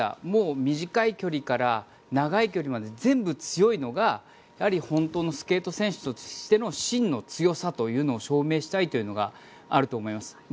もう短い距離から長い距離まで全部強いのが、やはり本当のスケート選手としての真の強さというのを証明したいというのがあると思います。